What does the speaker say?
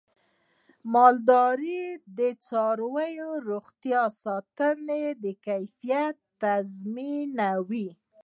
د مالدارۍ د څارویو روغتیا ساتنه د کیفیت تضمینوي.